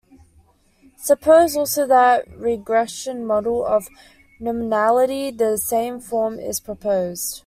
Suppose also that a regression model of nominally the same form is proposed.